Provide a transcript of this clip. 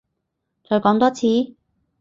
再講多次？